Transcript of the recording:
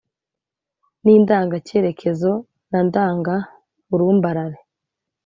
nindangacyerekezo na ndanga burumbarare